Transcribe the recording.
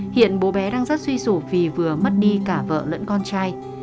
hiện bố bé đang rất suy sủ vì vừa mất đi cả vợ lẫn con trai